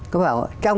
có bảo trong